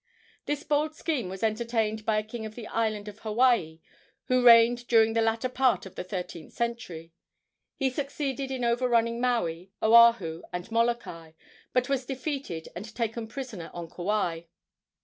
This bold scheme was entertained by a king of the island of Hawaii who reigned during the latter part of the thirteenth century. He succeeded in overrunning Maui, Oahu and Molokai, but was defeated and taken prisoner on Kauai.